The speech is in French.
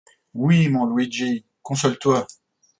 Oui, mon Luigi, console-toi.